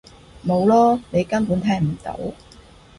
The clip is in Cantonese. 冇囉！你根本聽唔到！